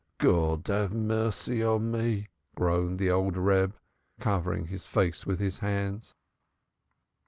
"God have mercy on me!" groaned the old Reb, covering his face with his hands.